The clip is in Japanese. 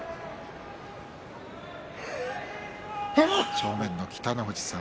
正面の北の富士さん